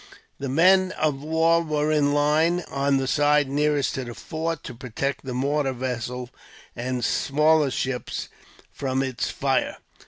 The men of war were in line, on the side nearest to the fort, to protect the mortar vessels and smaller ships from its fire.